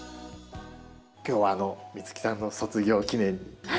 今日は美月さんの卒業記念に華やかな。